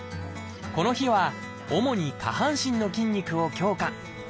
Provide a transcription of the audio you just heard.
この日は主に下半身の筋肉を強化。